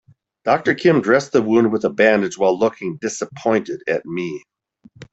Doctor Kim dressed the wound with a bandage while looking disappointed at me.